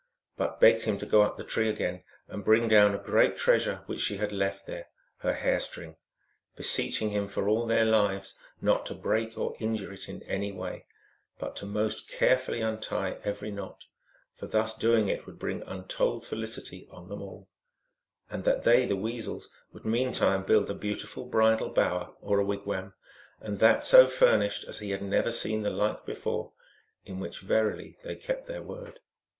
but begged him to go up the tree again and bring down a great treasure which she had left there, her hair string ; beseeching him for all their lives not to break or injure it in any way, but to most care fully untie every knot, for thus doing it would bring untold felicity on them all ; and that they, the Weasels, would meantime build a beautiful bridal bower, or a wigwam, and that so furnished as he had never seen the like before, in which verily they kept their word.